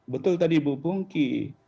betul tadi bu bungki